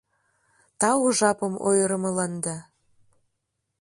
Тау жапым ойырымыланда.